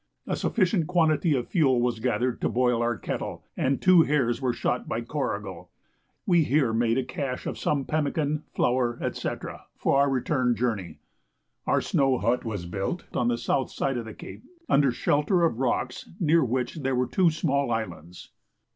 A sufficient quantity of fuel was gathered to boil our kettle, and two hares were shot by Corrigal. We here made a "cache" of some pemmican, flour, &c. for our return journey. Our snow hut was built on the south side of the cape, under shelter of rocks, near which there were two small islands.